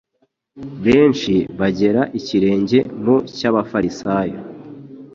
Benshi bagera ikirenge mu cy'abafarisayo;